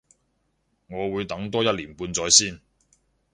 我會等多一年半載先